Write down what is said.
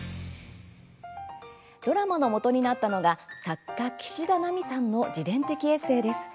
ドラマのもとになったのが作家、岸田奈美さんの自伝的エッセーです。